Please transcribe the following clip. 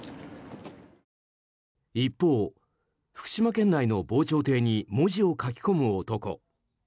一方、福島県内の防潮堤に文字を書き込む男。